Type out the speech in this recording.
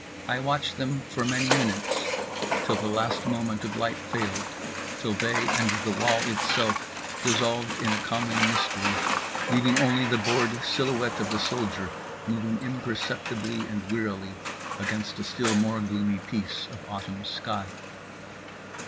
I watched them for many minutes; till the last moment of light failed; till they and the wall itself dissolved in a common mystery, leaving only the bored silhouette of the soldier moving imperceptibly and wearily against a still more gloomy piece of autumn sky.